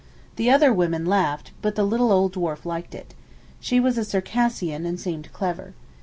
The other women laughed, but the little old dwarf liked it. She was a Circassian, and seemed clever.